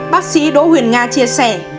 bác sĩ đỗ huyền nga chia sẻ